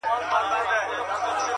په څو رنگه عذاب د دې دنیا مړ سوم!